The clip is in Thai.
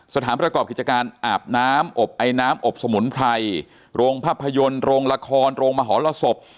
สถานประกอบกิจการอาบน้ำอบไอน้ำอบสมุนไพรโรงภาพยนตร์โรงละครโรงมหรสบ